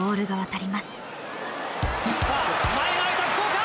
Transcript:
さあ前が空いた福岡！